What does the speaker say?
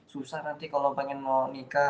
susah nanti kalau pengen mau nikah